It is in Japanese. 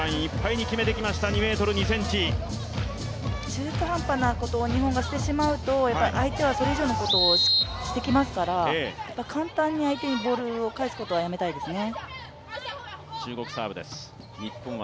中途半端なことを日本がしてしまうと、やっぱり相手はそれ以上のことをしてきますから、簡単に相手にボールを返すことはやめたいですね。